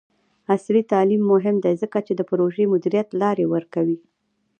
عصري تعلیم مهم دی ځکه چې د پروژې مدیریت لارې ورکوي.